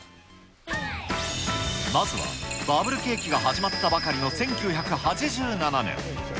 まずはバブル景気が始まったばかりの１９８７年。